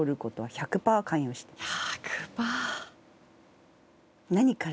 １００パー関与してます。